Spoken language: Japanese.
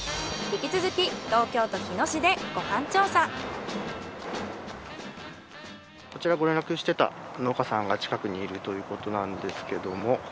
引き続きこちらご連絡してた農家さんが近くにいるということなんですけども。